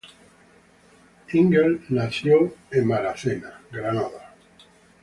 Ingle nació en Tulsa, Oklahoma.